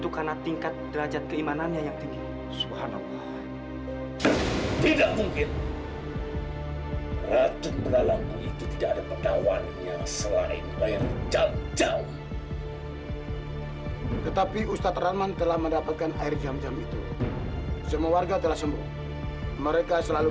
kau tahu kematian akan datang menjemputmu